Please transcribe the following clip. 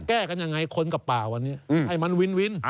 แก้กันยังไงคนกับป่าวันนี้ให้มันวินวิน